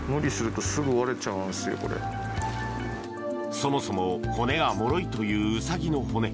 そもそも骨がもろいというウサギの骨。